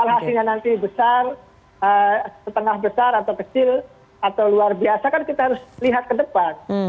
kalau kita mau melakukan kondisi besar setengah besar atau kecil atau luar biasa kan kita harus lihat ke depan